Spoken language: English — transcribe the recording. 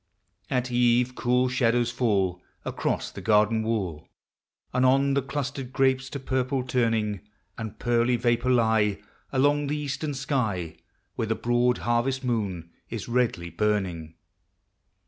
At eve, cool shadows fall Across the garden wall. And on the clustered grapes to purple turning; And pearly vapors lie Along the eastern sky, Where the broad harvest moon is redly burning.